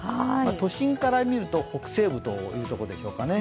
都心から見ると北西部ということでしょうかね。